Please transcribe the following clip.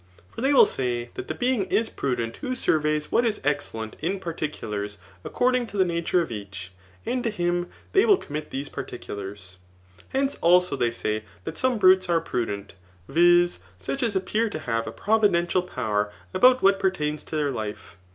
For they will say that the be ing is prudent who surveys what is excellent in particulars according to the nature of each, and to him they will commit these particulars. Hence also they say that some brutes are prudent, viz. such as appear to have a providential power about what pertains to their life.